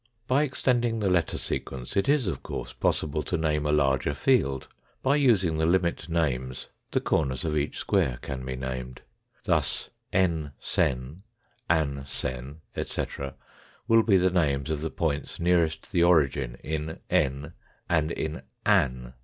By extending the letter sequence it is of course possible to name a larger field. By using the limit names the corners of each square can be named. Thus " en sen," " an sen," etc., will be the names of the points nearest the origin in " en " and in " an."